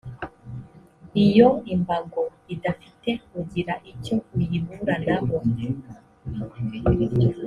iyo imbago idafite ugira icyo ayiburanaho